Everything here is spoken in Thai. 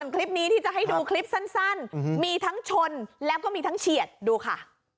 คลิปนี้ที่จะให้ดูคลิปสั้นมีทั้งชนแล้วก็มีทั้งเฉียดดูค่ะ